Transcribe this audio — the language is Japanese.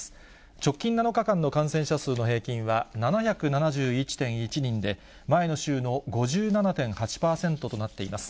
直近７日間の感染者数の平均は７７１．１人で、前の週の５７．８％となっています。